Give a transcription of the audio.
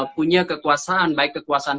punya kekuasaan baik kekuasaan